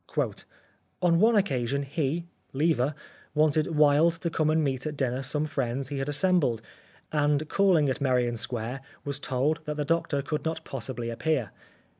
'' On one occasion he (Lever) wanted Wilde to come and meet at dinner some friends he had assembled, and calling at Merrion Square was told that the doctor could not possibly appear.